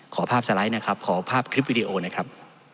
ขอภาพสไลด์นะครับขอภาพคลิปวิดีโอนะครับ